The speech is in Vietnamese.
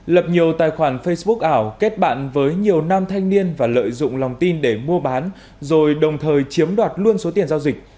lập nhiều tài khoản facebook ảo kết bạn với nhiều nam thanh niên và lợi dụng lòng tin để mua bán rồi đồng thời chiếm đoạt luôn số tiền giao dịch